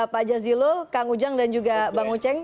pak jazilul kang ujang dan juga bang uceng